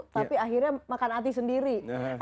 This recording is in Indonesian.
tapi akhirnya makan hati sendiri